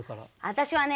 私はね